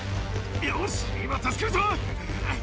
よし今助けるぞ！